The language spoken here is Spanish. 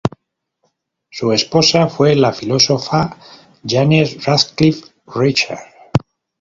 Su esposa fue la filósofa Janet Radcliffe Richards.